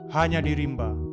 hanya di rimba